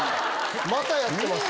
またやってます。